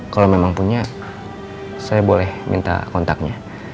kalau memang punya saya boleh minta kontaknya